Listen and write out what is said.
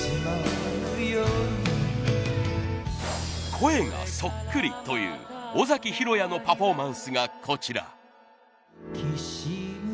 声がそっくりという尾崎裕哉のパフォーマンスがこちら。